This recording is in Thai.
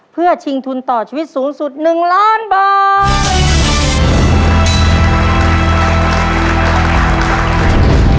เพื่อชิงทุนต่อชีวิตสูงสุด๑ล้านบาท